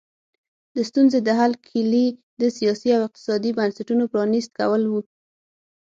د ستونزې د حل کیلي د سیاسي او اقتصادي بنسټونو پرانیست کول وو.